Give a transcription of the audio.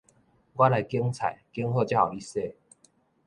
我來揀菜，揀好才予你洗